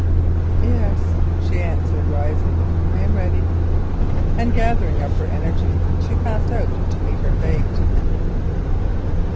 "Yes," she answered, rising; "I am ready." And gathering up her energies, she passed out to meet her fate.